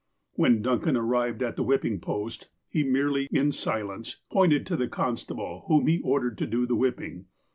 When Duncan arrived at the whipping post, he merely, in silence, pointed to the constable, whom he ordered to do the whipping.